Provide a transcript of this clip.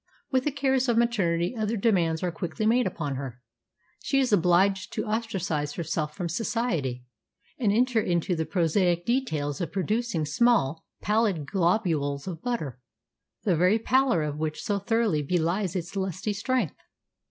With the cares of maternity other demands are quickly made upon her. She is obliged to ostracize herself from society, and enter into the prosaic details of producing small, pallid globules of butter, the very pallor of which so thoroughly belies its lusty strength.